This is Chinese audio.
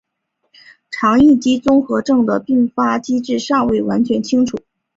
肠易激综合征的发病机制尚未完全清楚。